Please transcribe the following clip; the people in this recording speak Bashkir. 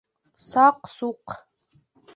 Саҡ-Суҡ!